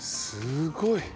すごい。